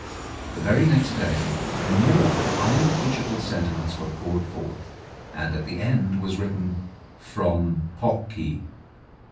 The very next day more unimpeachable sentiments were poured forth, and at the end was written, "From Pocky."